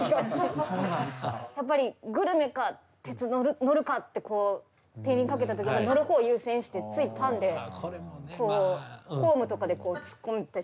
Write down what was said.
やっぱりグルメか鉄道乗るかっててんびんかけた時に乗るほうを優先してついパンでホームとかで突っ込んで食べがちかな。